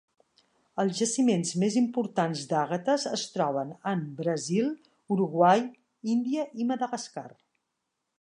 Els jaciments més importants d'àgates es troben en Brasil, Uruguai, Índia i Madagascar.